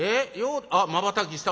あっまばたきした。